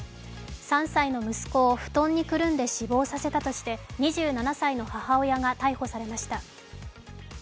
３歳の息子を布団にくるんで死亡させたとして２７歳の母親が逮捕されました。